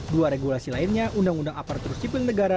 dua regulasi lainnya undang undang aparatur sipil negara